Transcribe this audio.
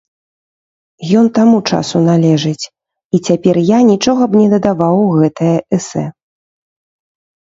Ён таму часу належыць, і цяпер я нічога б не дадаваў у гэтае эсэ.